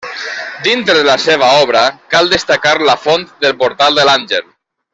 Dintre de la seva obra cal destacar la font del Portal de l'Àngel.